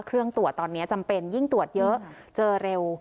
เครื่องตรวจตอนนี้จำเป็นยิ่งตรวจเยอะเจอเร็ว